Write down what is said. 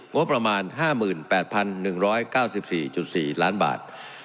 งบประมาณ๕๘๑๙๔๔ล้านบาท